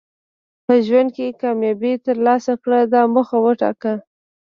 په ژوند کې کامیابي ترلاسه کړه دا موخه وټاکه.